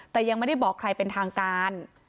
แต่ยังไม่ได้บอกใครเป็นทางการ